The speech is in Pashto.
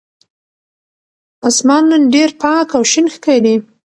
آسمان نن ډېر پاک او شین ښکاري.